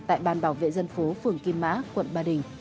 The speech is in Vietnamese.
tại bàn bảo vệ dân phố phường kim mã quận ba đình